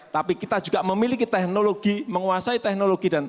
tapi kita juga memiliki teknologi menguasai teknologi